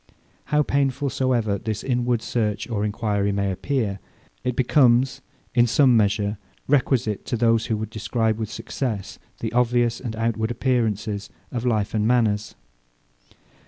How painful soever this inward search or enquiry may appear, it becomes, in some measure, requisite to those, who would describe with success the obvious and outward appearances of life and manners.